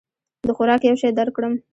د خوراک یو شی درکړم؟